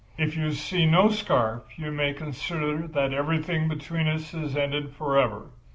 If you see no scarf you may consider that everything between us is ended forever.